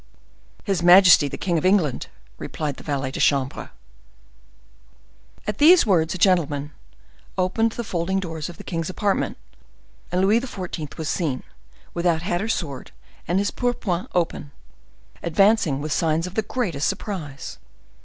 "His Majesty the King of England!" replied the valet de chambre. At these words a gentleman opened the folding doors of the king's apartment, and Louis XIV. was seen, without hat or sword, and his pourpoint open, advancing with signs of the greatest surprise.